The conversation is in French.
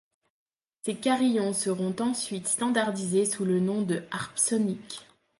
Ces carillons seront ensuite standardisés sous le nom de Harpsonic.